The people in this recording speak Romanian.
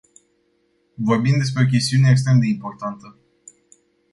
Vorbim despre o chestiune extrem de importantă.